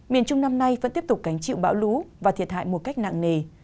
miền trung năm nay vẫn tiếp tục gánh chịu bão lũ và thiệt hại một cách nặng nề